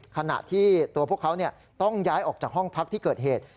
ขณะที่ตัวพวกเขาต้องย้ายออกจากห้องพักที่เกิดเหตุ